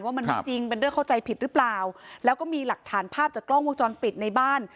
ว่ามันไม่จริงเป็นเรื่องเข้าใจผิดหรือเปล่าแล้วก็มีหลักฐานภาพจากกล้องวงจรปิดในบ้าน